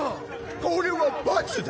これは罰だ。